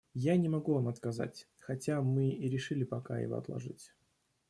Я не могу вам отказать, хотя мы и решили пока его отложить.